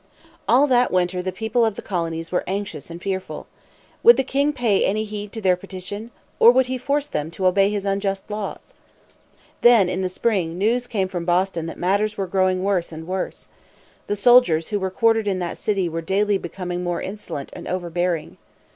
All that winter the people of the colonies were anxious and fearful. Would the king pay any heed to their petition? Or would he force them to obey his unjust laws? Then, in the spring, news came from Boston that matters were growing worse and worse. The soldiers who were quartered in that city were daily becoming more insolent and overbearing.